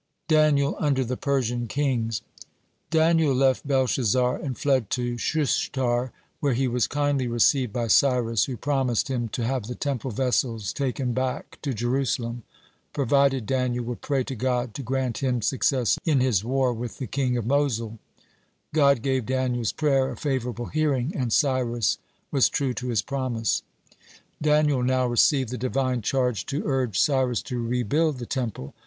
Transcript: (4) DANIEL UNDER THE PERSIAN KINGS Daniel left Belshazzar and fled to Shushtar, where he was kindly received by Cyrus, who promised him to have the Temple vessels taken back to Jerusalem, provided Daniel would pray to God to grant him success in his war with the king of Mosul. God gave Daniel's prayer a favorable hearing, and Cyrus was true to his promise. Daniel now received the Divine charge to urge Cyrus to rebuild the Temple.